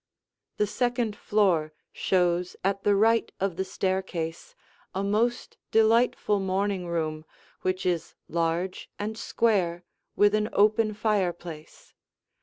The second floor shows at the right of the staircase a most delightful morning room which is large and square with an open fireplace.